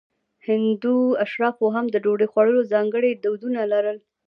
هندو اشرافو هم د ډوډۍ خوړلو ځانګړي دودونه لرل.